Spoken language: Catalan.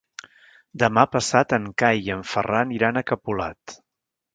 Demà passat en Cai i en Ferran iran a Capolat.